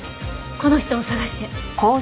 この人を捜して。